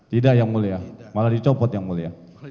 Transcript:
tidak yang mulia malah dicopot yang mulia